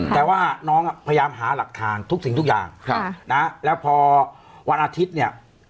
แต่ว่าน้องพยายามหาหลักฐานทุกสิ่งทุกอย่างแล้วพอวันอาทิตย์เนี่ย